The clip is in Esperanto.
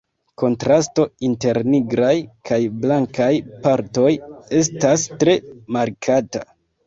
Kontrasto inter nigraj kaj blankaj partoj estas tre markata.